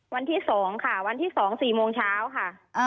วันที่๒ค่ะวันที่๒๔โมงเช้าค่ะ